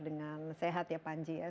dengan sehat ya panji ya